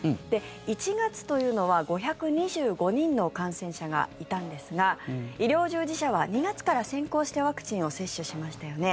１月というのは５２５人の感染者がいたんですが医療従事者は２月から先行してワクチンを接種しましたよね。